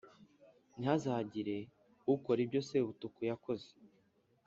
: “Ntihazagire ukora ibyo Sebutuku yakoze,